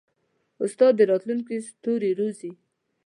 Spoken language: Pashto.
استاد د راتلونکي ستوري روزي.